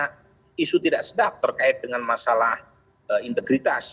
karena isu tidak sedap terkait dengan masalah integritas